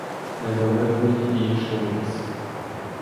Недалеко й ішло вниз!